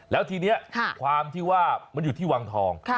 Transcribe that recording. แล้วทีนี้ความที่ว่ามันอยู่ที่วังทอง